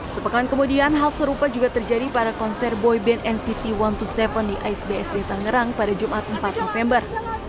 sepekan kemudian hal serupa juga terjadi pada konser boy band nct satu ratus dua puluh tujuh di isbsd tangerang pada jumat empat november